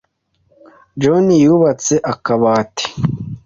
John yubatse akabati.